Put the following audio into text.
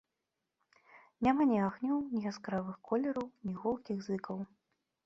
Няма ні агнёў, ні яскравых колераў, ні гулкіх зыкаў.